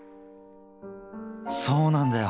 そうなんだよ。